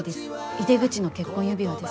井出口の結婚指輪です。